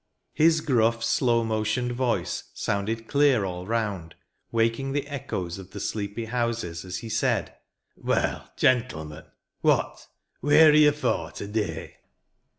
His gruff, slow motioned voice sounded clear all round, waking the echoes of the sleepy houses, as he said, "Well, — gen tle men. What? Wheer are you for, — to day